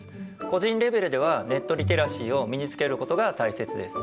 個人レベルではネットリテラシーを身につけることが大切です。